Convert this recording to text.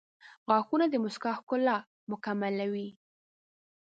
• غاښونه د مسکا ښکلا مکملوي.